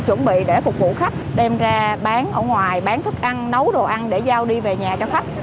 chuẩn bị để phục vụ khách đem ra bán ở ngoài bán thức ăn nấu đồ ăn để giao đi về nhà cho khách